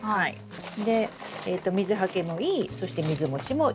で水はけもいいそして水もちもいい。